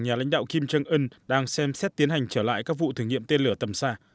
nhà lãnh đạo kim trương ưn đang xem xét tiến hành trở lại các vụ thử nghiệm tên lửa tầm xa